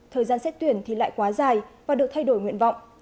thời gian xét tuyển thì lại quá dài và được thay đổi nguyện vọng